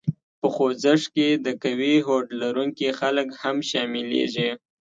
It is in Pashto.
په خوځښت کې د قوي هوډ لرونکي خلک هم شامليږي.